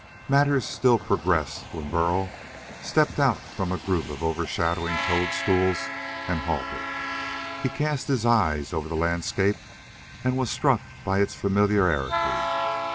Matters still progressed when Burl stepped out from a group of overshadowing toadstools and halted. He cast his eyes over the landscape and was struck by its familiarity.